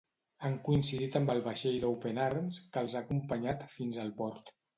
Han coincidit amb el vaixell d'Open Arms, que els ha acompanyat fins al port.